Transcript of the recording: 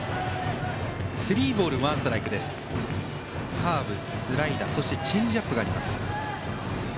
カーブ、スライダーそしてチェンジアップがあります。